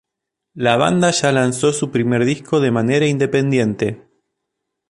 La banda ya lanzó su primer disco de manera independiente.